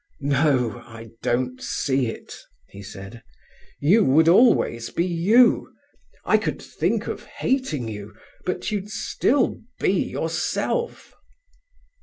"No, I don't see it," he said. "You would always be you. I could think of hating you, but you'd still be yourself."